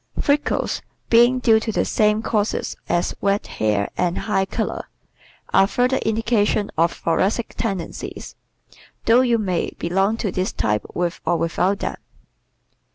Freckles, being due to the same causes as red hair and high color, are further indications of thoracic tendencies, though you may belong to this type with or without them.